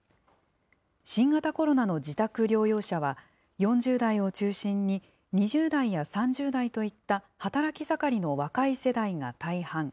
新型コロナの自宅療養者は、４０代を中心に２０代や３０代といった働き盛りの若い世代が大半。